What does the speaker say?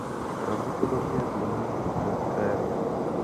Pravděpodobně druhý ze série.